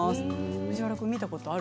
藤原君見たことある？